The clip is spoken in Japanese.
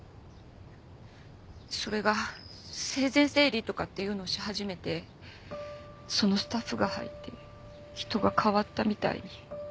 それが生前整理とかっていうのをし始めてそのスタッフが入って人が変わったみたいに。